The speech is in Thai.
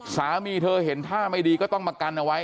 สามีเธอเห็นท่าไม่ดีก็ต้องมากันเอาไว้